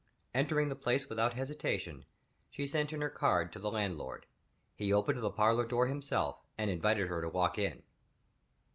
Entering the place without hesitation, she sent in her card to the landlord. He opened the parlor door himself and invited her to walk in.